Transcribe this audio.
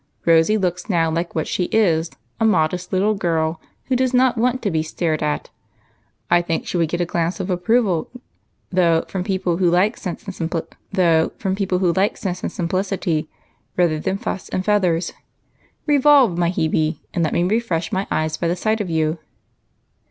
" Rosy looks now like what she is, a modest little girl, who does not want to be stared at. I think she would get a glance of approval, though, from people who like sense and simplicity, rather than fuss and feathers. Revolve, my Hebe, and let me refresh my eyes by the sight of you."